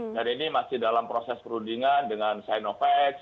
dan ini masih dalam proses prudingan dengan sinovac